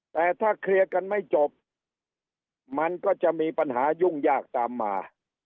แต่ถ้าเคลียร์กันไม่จบมันก็จะมีปัญหายุ่งยากตามมา